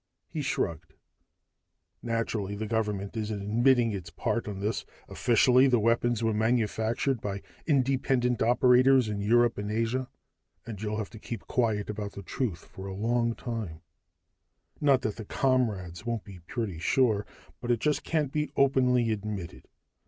He shrugged. "Naturally, the government isn't admitting its part in this. Officially, the weapons were manufactured by independent operators in Europe and Asia, and you'll have to keep quiet about the truth for a long time not that the comrades won't be pretty sure, but it just can't be openly admitted.